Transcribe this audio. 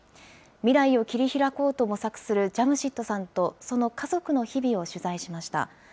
未来を切り開こうと模索するジャムシッドさんと、その家族の日々を取材しました。